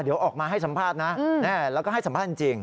เดี๋ยวออกมาให้สัมภาษณ์นะแล้วก็ให้สัมภาษณ์จริง